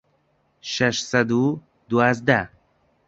شەش سەد و دوازدە